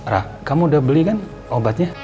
rah kamu udah beli kan obatnya